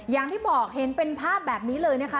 อย่างที่บอกเห็นเป็นภาพแบบนี้เลยนะคะ